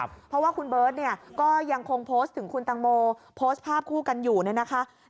เพราะว่าคุณเบิร์ตเนี่ยก็ยังคงโพสต์ถึงคุณตังโมโพสต์ภาพคู่กันอยู่เนี่ยนะคะ